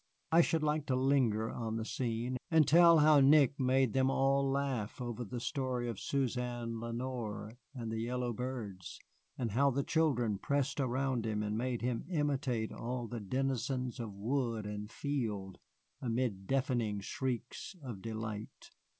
I should like to linger on the scene, and tell how Nick made them all laugh over the story of Suzanne Lenoir and the yellow birds, and how the children pressed around him and made him imitate all the denizens of wood and field, amid deafening shrieks of delight.